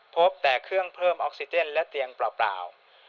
พบแต่เครื่องเพิ่มออกซิเจนและเตียงเปล่า